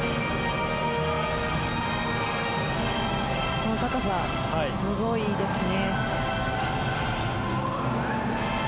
この高さすごいいいですね。